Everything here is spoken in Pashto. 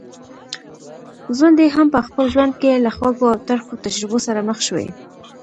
ځونډی هم په خپل ژوند کي له خوږو او ترخو تجربو سره مخ شوی.